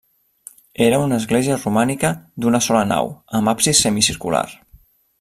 Era una església romànica d'una sola nau, amb absis semicircular.